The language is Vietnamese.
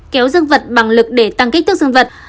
một kéo dương vật bằng lực để tăng kích thước dương vật